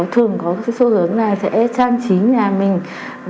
thường có số hướng là sẽ trang trí nhà mình